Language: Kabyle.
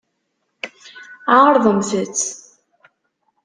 Ɛeṛḍemt-t.